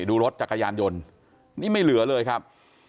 ดูรถจักรยานยนต์นี่ไม่เหลือเลยครับ